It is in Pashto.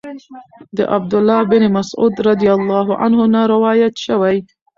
د عبد الله بن مسعود رضی الله عنه نه روايت شوی